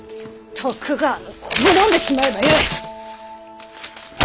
徳川など滅んでしまえばよい！